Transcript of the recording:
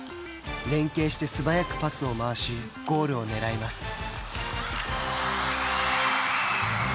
連携して素早くパスを回しゴールを狙います。